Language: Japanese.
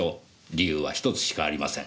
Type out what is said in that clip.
理由は１つしかありません。